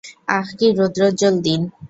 আহ কি রৌদ্রজ্জল দিন!